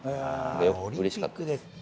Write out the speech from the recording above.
うれしかったです。